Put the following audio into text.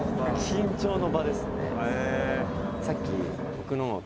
緊張の場ですね。